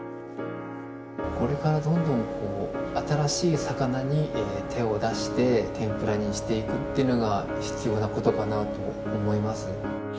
これからどんどん新しい魚に手を出して天ぷらにしていくっていうのが必要なことかなと思います。